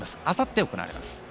あさって行われます。